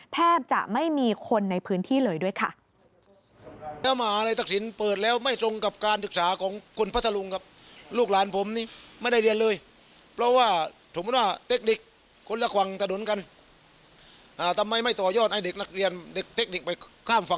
แทบจะไม่มีคนในพื้นที่เลยด้วยค่ะ